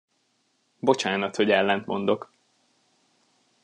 Bocsánat, hogy ellentmondok!